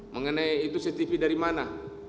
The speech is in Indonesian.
mengenai itu cctv dari mana